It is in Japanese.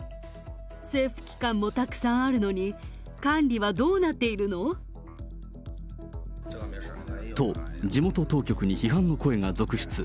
政府機関もたくさんあるのに、管理はどうなっているの？と、地元当局に批判の声が続出。